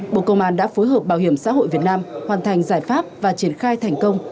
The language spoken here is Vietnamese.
bộ công an đã phối hợp bảo hiểm xã hội việt nam hoàn thành giải pháp và triển khai thành công